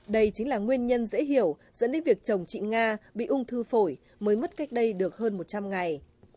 đây chính là nguyên nhân dễ hiểu dẫn đến việc chồng chị nga bị ung thư phổi mới mất cách đây được hơn một trăm linh ngày